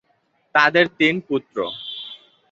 তাদের তিন পুত্র।